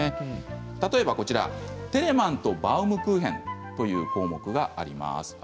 例えばテレマンとバウムクーヘンという項目があります。